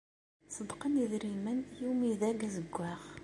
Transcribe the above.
Ṣeddqen idrimen i Umidag Azewwaɣ.